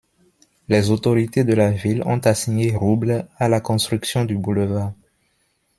Les autorités de la ville ont assigné roubles à la construction du boulevard.